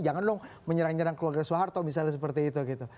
jangan dong menyerang nyerang keluarga soeharto misalnya seperti itu gitu